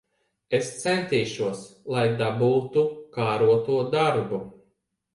Es centīšos, lai dabūtu kāroto darbu.